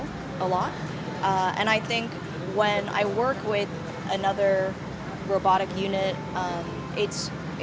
dan saya pikir ketika saya bekerja dengan unit robot lain